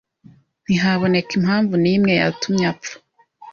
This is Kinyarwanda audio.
ntihaboneka impamvu n’imwe yatumye apfa